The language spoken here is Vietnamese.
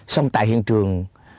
xong tại hiện trường